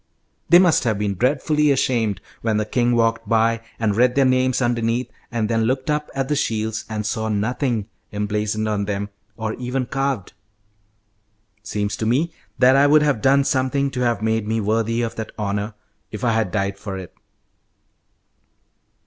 They must have been dreadfully ashamed when the king walked by and read their names underneath, and then looked up at the shields and saw nothing emblazoned on them or even carved. Seems to me that I would have done something to have made me worthy of that honour if I had died for it!"